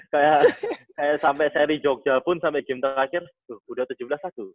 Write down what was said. kayak sampai seri jogja pun sampai game terakhir tuh udah tujuh belas satu